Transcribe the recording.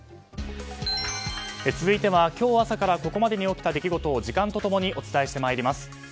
続いては今日朝からここまでに起きた出来事を時間と共にお伝えしてまいります。